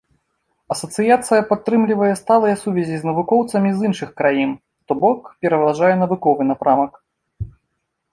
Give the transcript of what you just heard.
Асацыяцыя падтрымлівае сталыя сувязі з навукоўцамі з іншых краін, то бок пераважае навуковы напрамак.